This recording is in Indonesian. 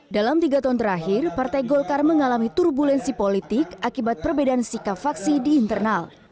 dalam tiga tahun terakhir partai golkar mengalami turbulensi politik akibat perbedaan sikap faksi di internal